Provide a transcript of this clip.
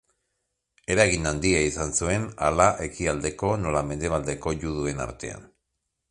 Eragin handia izan zuen hala ekialdeko nola mendebaldeko juduen artean.